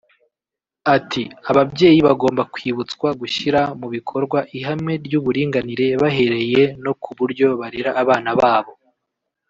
Ati “Ababyeyi bagomba kwibutswa gushyira mu bikorwa ihame ry’uburinganire bahereye no ku buryo barera abana babo